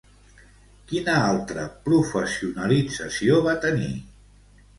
Quina altra professionalització va tenir?